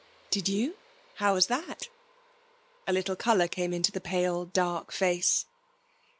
'Did you? How was that?' A little colour came into the pale, dark face.